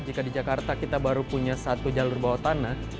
jika di jakarta kita baru punya satu jalur bawah tanah